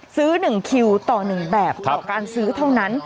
ซื้อ๑คิวต่อ๑แบบต่อการซื้อเท่านั้น